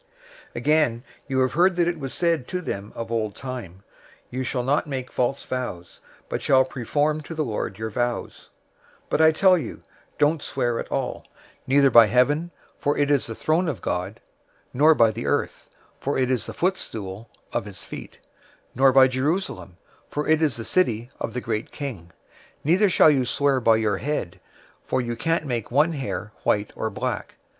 005:033 "Again you have heard that it was said to them of old time, 'You shall not make false vows, but shall perform to the Lord your vows,' 005:034 but I tell you, don't swear at all: neither by heaven, for it is the throne of God; 005:035 nor by the earth, for it is the footstool of his feet; nor by Jerusalem, for it is the city of the great King. 005:036 Neither shall you swear by your head, for you can't make one hair white or black.